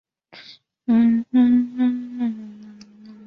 除此之外每位主角都有自己的特殊技能。